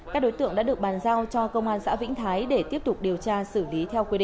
các đối tượng đã được bàn giao cho công an xã vĩnh thái để tiếp tục điều tra xử lý theo quy định